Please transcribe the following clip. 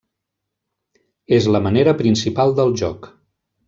És la manera principal del joc.